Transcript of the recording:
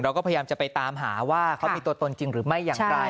เราก็พยายามจะไปตามหาว่าเขามีตัวตนจริงหรือไม่อย่างไร